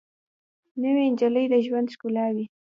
نوې نجلۍ د ژوند ښکلا وي